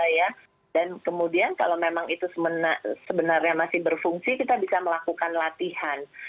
dan kemudian kalau memang itu sebenarnya masih berfungsi kita bisa melakukan latihan